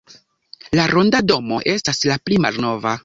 La ronda domo estas la pli malnova.